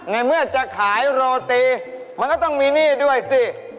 ในเมื่อจะขายโรตีมันก็ต้องมีหนี้ด้วยสิ